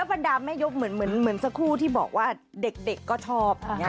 แล้วประดามแม่ยกเหมือนสักครู่ที่บอกว่าเด็กก็ชอบ